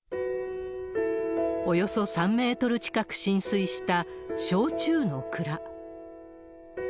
およそ３メートル近く浸水した焼酎の蔵。